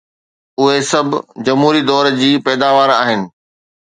اهي سڀ جمهوري دور جي پيداوار آهن.